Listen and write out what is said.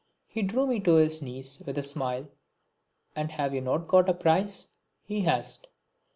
He drew me to his knees with a smile. "And have you not got a prize?" he asked.